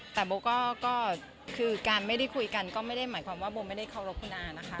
แต่โบก็คือการไม่ได้คุยกันก็ไม่ได้หมายความว่าโบไม่ได้เคารพคุณอานะคะ